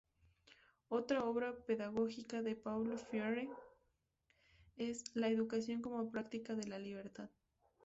Otra obra pedagógica de Paulo Freire es "La educación como práctica de la libertad".